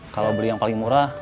kalau beli yang paling murah